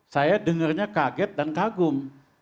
saya dengarnya kaget dan kagum